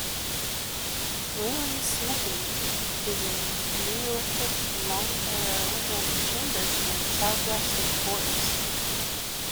Wayland's Smithy is a Neolithic long barrow and chamber tomb southwest of the Horse.